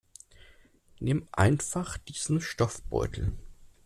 Nimm einfach diesen Stoffbeutel.